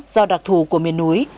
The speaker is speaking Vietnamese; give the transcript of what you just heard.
do đặc thù của miền núi